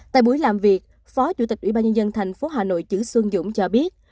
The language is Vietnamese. tại buổi làm việc phó chủ tịch ủy ban nhân dân thành phố hà nội chử xuân dũng cho biết